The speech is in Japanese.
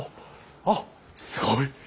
あっすごい！